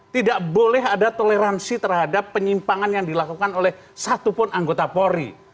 tidak boleh ada toleransi terhadap penyimpangan yang dilakukan oleh satupun anggota polri